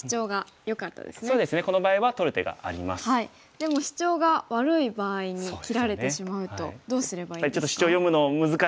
でもシチョウが悪い場合に切られてしまうとどうすればいいですか？